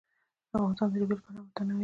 افغانستان د ژبې له پلوه متنوع دی.